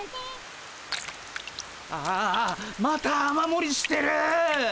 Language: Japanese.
ああまた雨もりしてる！